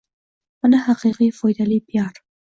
Mana haqiqiy foydali piar.